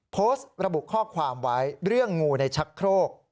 โพสต์ระบุข้อความไว้เรื่องงูในชักโครก